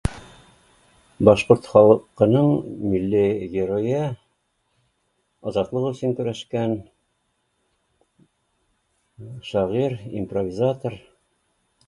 Башҡорт халҡының милли геройы, азатлыҡ өсөн көрәшкән, шағир-импровизатор